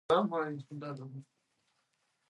ایا محمود خان به اصفهان په بشپړه توګه ونیسي؟